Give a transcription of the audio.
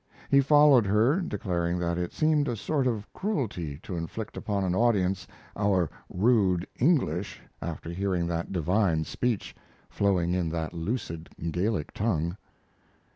He followed her, declaring that it seemed a sort of cruelty to inflict upon an audience our rude English after hearing that divine speech flowing in that lucid Gallic tongue.